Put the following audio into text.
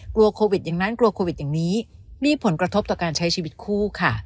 กลัวโควิดอย่างนั้นกลัวโควิดอย่างนี้มีผลกระทบต่อการใช้ชีวิตคู่ค่ะ